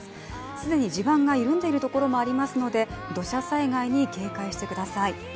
既に地盤が緩んでいるところもありますので土砂災害に警戒してください。